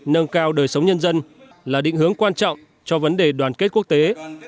nâng cao đời sống nhân dân là định hướng quan trọng cho vấn đề đoàn kết quốc tế